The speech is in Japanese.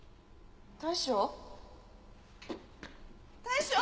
大将？